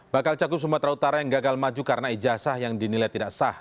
bakal cagup sumatera utara yang gagal maju karena ijazah yang dinilai tidak sah